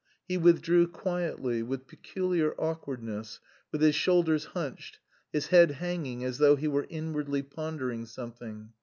He withdrew quietly, with peculiar awkwardness, with his shoulders hunched, his head hanging as though he were inwardly pondering something.